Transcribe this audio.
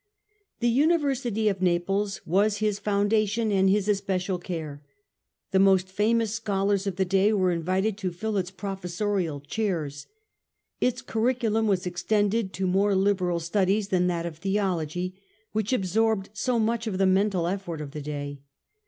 The University of Naples was his foundation and his especial care. The most famous scholars of the day were invited to fill its professorial chairs. Its curri culum was extended to more liberal studies than that of Theology which absorbed so much of the mental effort of the day.